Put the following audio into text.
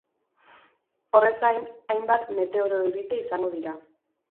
Horrez gain, hainbat meteoro eurite izango dira.